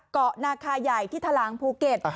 เกาะนาคาใหญ่ที่ทะลางภูเก็ต